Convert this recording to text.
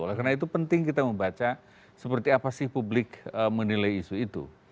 oleh karena itu penting kita membaca seperti apa sih publik menilai isu itu